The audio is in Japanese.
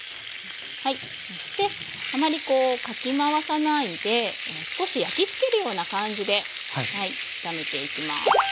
そしてたまにこうかき回さないで少し焼きつけるような感じで炒めていきます。